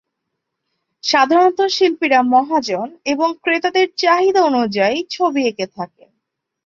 সাধারণত শিল্পীরা মহাজন এবং ক্রেতাদের চাহিদা অনুযায়ী ছবি এঁকে থাকেন।